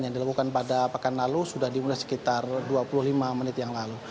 yang dilakukan pada pekan lalu sudah dimulai sekitar dua puluh lima menit yang lalu